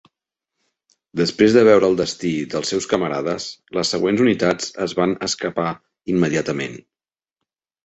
Després de veure el destí dels seus camarades, les següents unitats es van escapar immediatament.